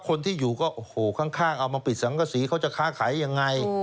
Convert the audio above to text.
คนที่อยู่ก็โอ้โหข้างเอามาปิดสังกษีเขาจะค้าขายยังไง